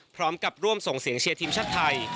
พร้อมกับร่วมส่งเสียงเชียร์ทีมชาติไทย